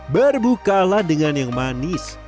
berbukalah dengan yang manis